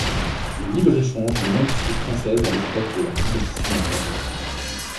Le libre-échange met l'industrie française à l'épreuve de la compétition étrangère.